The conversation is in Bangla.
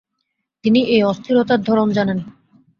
তিনি এই অস্থিরতার ধরন জানেন।